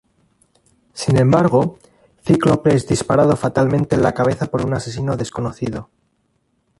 Sin embargo, Cíclope es disparado fatalmente en la cabeza por un asesino desconocido.